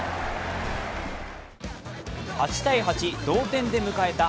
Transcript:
８−８、同点で迎えた